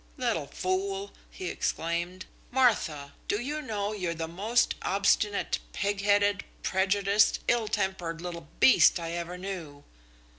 "Little fool!" he exclaimed. "Martha, do you know you're the most obstinate, pig headed, prejudiced, ill tempered little beast I ever knew?"